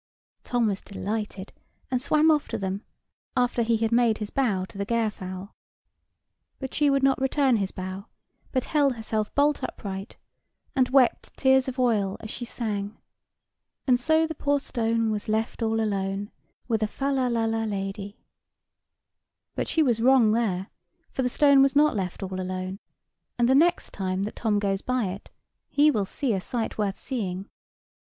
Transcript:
Tom was delighted, and swam off to them, after he had made his bow to the Gairfowl. But she would not return his bow: but held herself bolt upright, and wept tears of oil as she sang: "And so the poor stone was left all alone; With a fal lal la lady." But she was wrong there; for the stone was not left all alone: and the next time that Tom goes by it, he will see a sight worth seeing.